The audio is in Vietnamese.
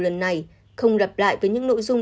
lần này không lặp lại với những nội dung